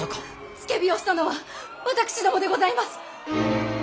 付け火をしたのはわたくしどもでございます。